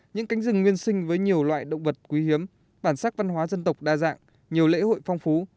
những cánh rừng nguyên sinh với nhiều loại động vật quý hiếm bản sắc văn hóa dân tộc đa dạng nhiều lễ hội phong phú